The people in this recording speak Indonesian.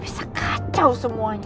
bisa kacau semuanya